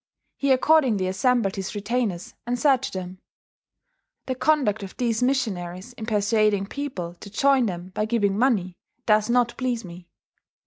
He accordingly assembled his retainers, and said to them: 'The conduct of these missionaries in persuading people to join them by giving money, does not please me.